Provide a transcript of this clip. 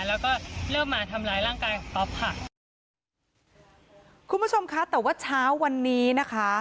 แล้วก็เริ่มมาทำร้ายร่างกายของป๊อปค่ะคุณผู้ชมค่ะแต่ว่าเช้าวันนี้นะคะ